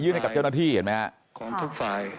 ยื่นกับเจ้าหน้าที่เห็นไหมฮะ